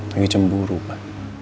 lagi cemburu pak